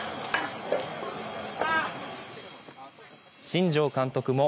新庄監督も